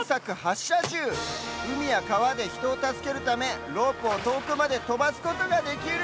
うみやかわでひとをたすけるためロープをとおくまでとばすことができる！